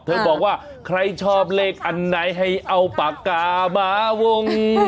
บอกว่าใครชอบเลขอันไหนให้เอาปากกามาวง